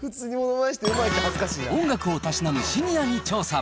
音楽を楽しむシニアに調査。